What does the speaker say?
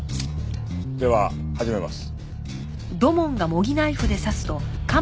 「では始めます」